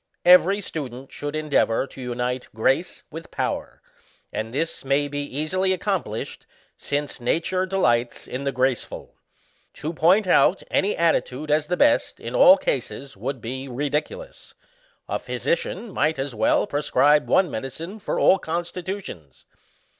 Every student should endeavour to unite grace with power, and this mny be easily accomplished, since nature delights in the graceful. To point out any attitude as the best in all cases would be ridiculous ; a physician might as well prescribe one medicine for all constitutions.